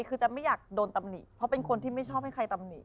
คือจะไม่อยากโดนตำหนิเพราะเป็นคนที่ไม่ชอบให้ใครตำหนิ